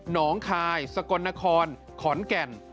น้องคายสกลนครขอนแก่น